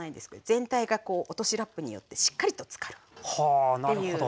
全体が落としラップによってしっかりと浸かるっていうね技です。